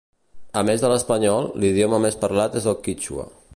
A més de l'espanyol, l'idioma més parlat és el quítxua.